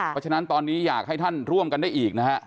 เพราะฉะนั้นตอนนี้อยากให้ท่านร่วมกันได้อีกนะฮะ